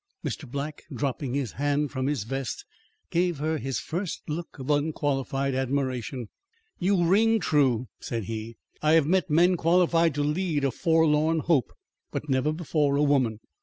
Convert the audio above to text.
Mr. Black, dropping his hand from his vest, gave her his first look of unqualified admiration. "You ring true," said he. "I have met men qualified to lead a Forlorn Hope; but never before a woman.